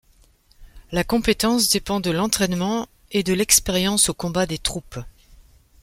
La compétence dépend de l’entrainement et de l’expérience au combat des troupes.